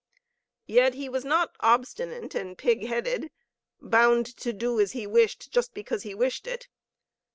Yet he was not obstinate and pig headed, bound to do as he wished just because he wished it.